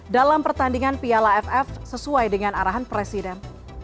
dalam pertandingan piala ff sesuai dengan arahan presiden